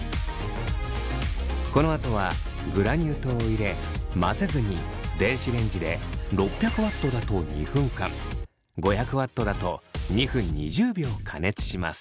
このあとはグラニュー糖を入れ混ぜずに電子レンジで６００Ｗだと２分間５００Ｗだと２分２０秒加熱します。